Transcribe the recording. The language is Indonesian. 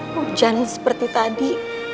hujan seperti tadi